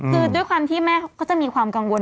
คือด้วยความที่แม่ก็จะมีความกังวล